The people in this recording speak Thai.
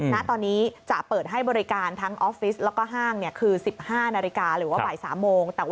ณตอนนี้จะเปิดให้บริการทั้งออฟฟิศแล้วก็ห้างคือ๑๕นาฬิกาหรือว่าบ่าย๓โมง